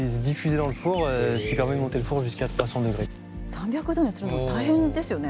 ３００度にするの大変ですよね。